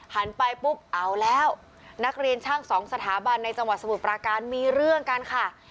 หันไปปุ๊บเอาแล้วนักเรียนช่างสองสถาบันในจังหวัดสมุทรปราการมีเรื่องกันค่ะ